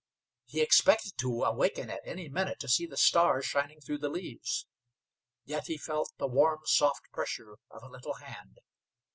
He expected to awaken at any minute to see the stars shining through the leaves. Yet he felt the warm, soft pressure of a little hand.